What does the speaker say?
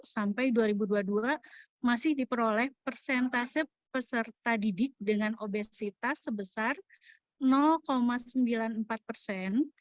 sampai dua ribu dua puluh dua masih diperoleh persentase peserta didik dengan obesitas sebesar sembilan puluh empat persen